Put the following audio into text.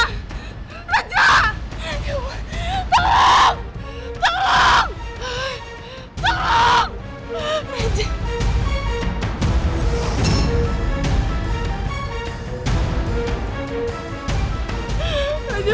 raja bangun dong raja